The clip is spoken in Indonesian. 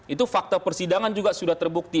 itu fakta persidangan juga sudah terbukti